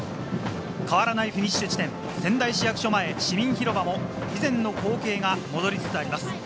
変わらないフィニッシュ地点、仙台市役所前市民広場も以前の光景が戻りつつあります。